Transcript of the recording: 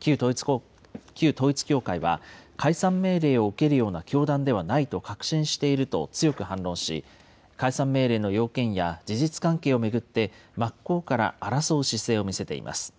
旧統一教会は、解散命令を受けるような教団ではないと確信していると強く反論し、解散命令の要件や事実関係を巡って、真っ向から争う姿勢を見せています。